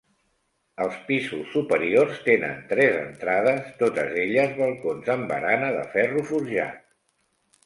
Els pisos superiors tenen tres entrades, totes elles balcons amb barana de ferro forjat.